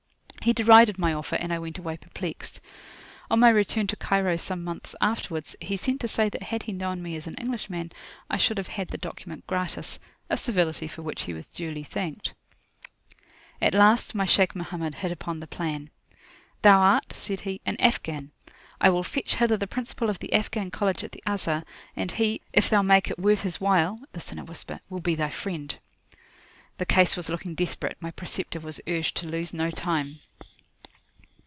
He derided my offer, and I went away perplexed. On my return to Cairo some months afterwards, he sent to say that had he known me as an Englishman, I should have had the document gratis, a civility for which he was duly thanked. At last my Shaykh Mohammed hit upon the plan. "Thou art," said he, "an Afghan; I will fetch hither the principal of the Afghan college at the Azhar, and he, if [p.130]thou make it worth his while," (this in a whisper) "will be thy friend." The case was looking desperate; my preceptor was urged to lose no time.